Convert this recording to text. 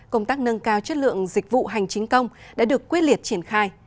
công tác nâng cao chất lượng dịch vụ hành chính công đã được quyết liệt triển khai